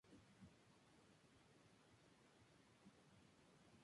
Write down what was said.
En sus primeros años comenzó a tomar clases de canto y guitarra.